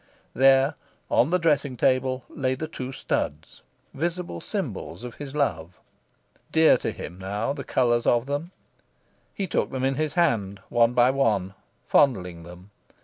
There, on the dressing table, lay the two studs, visible symbols of his love. Dear to him, now, the colours of them! He took them in his hand, one by one, fondling them.